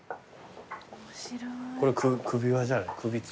これ首輪じゃない？